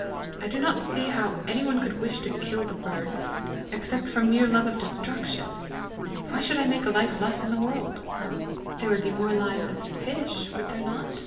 I do not see how any one could wish to kill the bird, except from mere love of destruction! Why should I make a life less in the world?" "There would be more lives of fish would there not?"